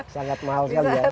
sangat mahal sekali ya